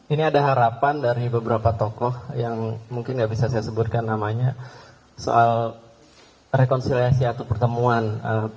ini ada harapan dari beberapa tokoh yang mungkin nggak bisa saya sebutkan namanya soal rekonsiliasi atau pertemuan pak anies mungkin dengan pak prabowo